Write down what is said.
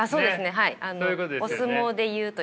はい。